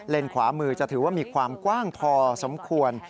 ขวามือจะถือว่ามีความกว้างพอสมควร